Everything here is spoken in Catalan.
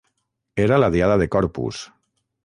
Era la Diada de Corpus.